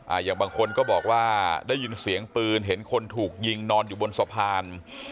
อย่างบางคนก็บอกว่าได้ยินเสียงปืนเห็นคนถูกยิงนอนอยู่บนสะพาน